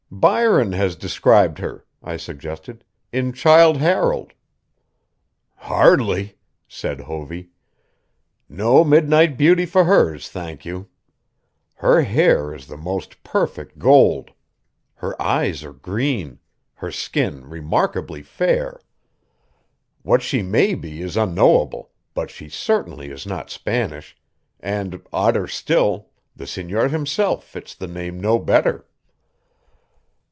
"Byron has described her," I suggested, "in Childe Harold." "Hardly," said Hovey. "No midnight beauty for hers, thank you. Her hair is the most perfect gold. Her eyes are green; her skin remarkably fair. What she may be is unknowable, but she certainly is not Spanish; and, odder still, the senor himself fits the name no better."